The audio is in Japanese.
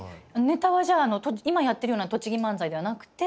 ネタはじゃあ今やってるような栃木漫才ではなくて？